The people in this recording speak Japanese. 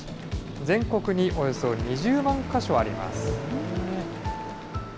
全国におよそ２０万か所あります。